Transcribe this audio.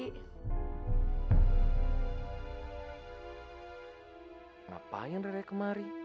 kenapa yang rere kemari